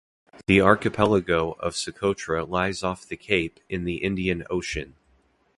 The archipelago of Socotra lies off the cape in the Indian Ocean.